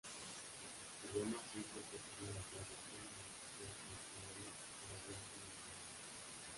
Se llama así porque según la tradición allí sufrió cautiverio doña Blanca de Borbón.